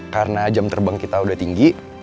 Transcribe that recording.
karena jam terbang kita udah tinggi